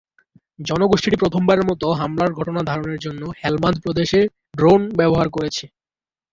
জঙ্গিগোষ্ঠীটি প্রথমবারের মতো হামলার ঘটনা ধারণের জন্য হেলমান্দ প্রদেশে ড্রোন ব্যবহার করেছে।